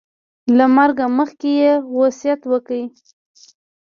له مرګه مخکې یې وصیت وکړ.